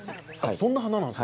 そんな花なんだ。